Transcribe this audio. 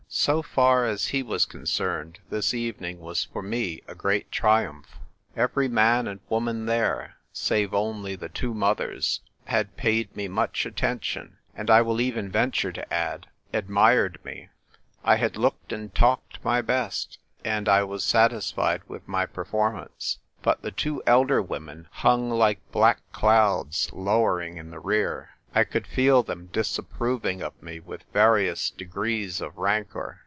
So 192 THE TVPE WRITER GIRL. far as he was concerned this evening was for me a great triumph ; every man and woman there, save only the two mothers, had paid me much attention, and, I will even venture to add, admired me. I had looked and talked my best, and I was satisfied with my per formance. But the two elder women hung like black clouds lowering in the rear ; 1 could feel them disapproving of me with various degrees of rancour.